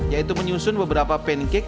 yaitu menyusun beberapa pancake